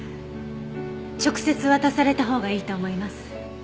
直接渡されたほうがいいと思います。